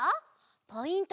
ポイント